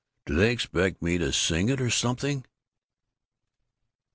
Do they expect me to sing it or something?"